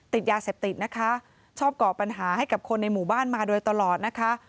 ติดยาเสพติดนะคะชอบก่อปัญหาให้กับคนในหมู่บ้านมาโดยตลอดนะคะ